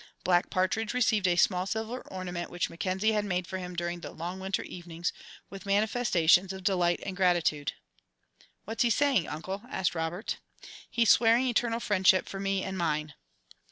Black Partridge received a small silver ornament which Mackenzie had made for him during the long winter evenings, with manifestations of delight and gratitude. "What's he saying, Uncle?" asked Robert. "He's swearing eternal friendship for me and mine."